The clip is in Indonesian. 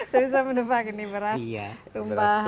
sudah bisa menebak ini beras tumpahan